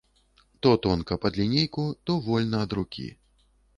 То тонка пад лінейку, то вольна ад рукі.